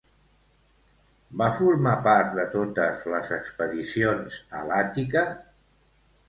Va formar part de totes les expedicions a l'Àtica?